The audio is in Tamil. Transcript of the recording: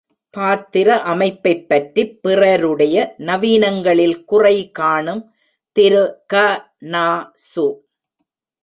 பாத்திர அமைப்பைப் பற்றிப் பிறருடைய நவீனங்களில் குறைகாணும் திரு க.நா.சு.